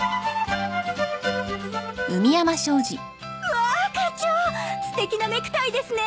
わ課長すてきなネクタイですね。